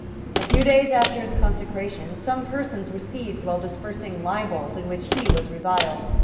A few days after his consecration, some persons were seized while dispersing libels in which he was reviled.